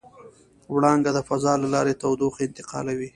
وړانګه د فضا له لارې تودوخه انتقالوي.